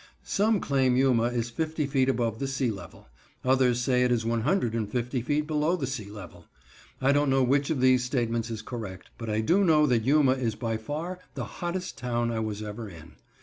Some claim Yuma is fifty feet above the sea level; others say it is one hundred and fifty below the sea level. I don't know which of these statements is correct, but I do know that Yuma is by far the hottest town I was ever in.